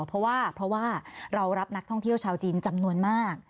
เพราะว่าเพราะว่าเรารับนักท่องเที่ยวชาวจีนจำนวนมาก